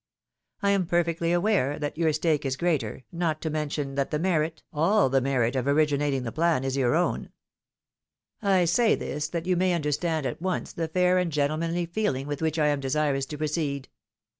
I am perfectly aware that your stake is greater, not to mention that the merit, all the merit, of origi nating the plan is your own. I say this, that you may under stand at once the fair and gentlemanly feeling with which I am A HUSBAND FREE OF JEALOUSY. 297 desirous to proceed.